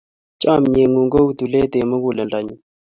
Chomye ng'ung' kou tulet eng' muguleldanyu.